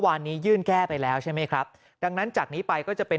วันนี้ยื่นแก้ไปแล้วใช่ไหมครับดังนั้นจากนี้ไปก็จะเป็น